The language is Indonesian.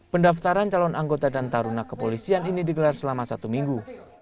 pendaftaran calon anggota dan taruna kepolisian ini digelar selama satu minggu